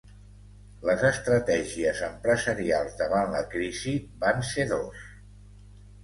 Les estratègies empresarials davant la crisi van ser dos.